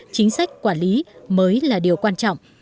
chính sách quản lý mới là điều quan trọng